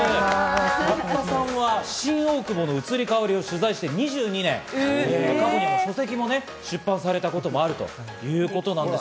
八田さんは新大久保の移り変わりを取材して２２年、過去には書籍も出版されたこともあるということなんです。